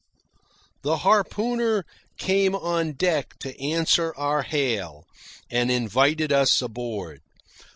The harpooner came on deck to answer our hail, and invited us aboard.